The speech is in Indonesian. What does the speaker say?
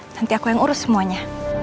nanti aku yang urus semuanya